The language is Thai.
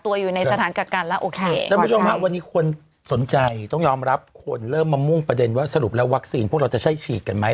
วันนี้คนสนใจต้องยอมรับคนเริ่มมามุ่งประเด็นว่าสรุปแล้ววัคซีนพวกเราจะใช่ฉีดกันไหม